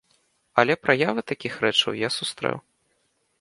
Але праявы такіх рэчаў я сустрэў.